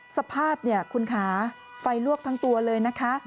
สภาพเนี่ยคุณคะไฟลวกทั้งตัวเลยนะคะ